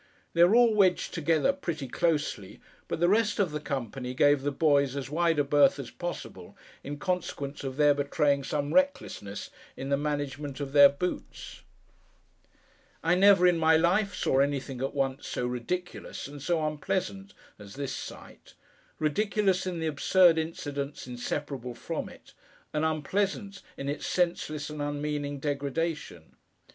They were all wedged together, pretty closely; but the rest of the company gave the boys as wide a berth as possible, in consequence of their betraying some recklessness in the management of their boots. I never, in my life, saw anything at once so ridiculous, and so unpleasant, as this sight—ridiculous in the absurd incidents inseparable from it; and unpleasant in its senseless and unmeaning degradation.